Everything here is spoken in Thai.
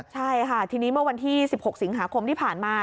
ใช่ค่ะทีนี้เมื่อวันที่๑๖สิงหาคมที่ผ่านมา